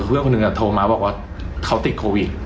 เพื่อนคนหนึ่งโทรมาบอกว่าเขาติดโควิด